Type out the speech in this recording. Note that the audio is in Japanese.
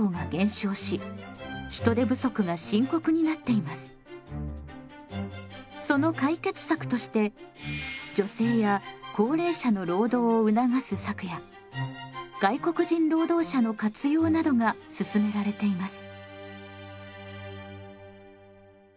現在の労働市場ではその解決策として女性や高齢者の労働を促す策や外国人労働者の活用などが進められています。